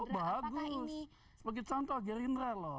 bagus sebagai contoh gerindra loh